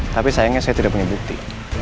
tapi sayangnya saya tidak punya bukti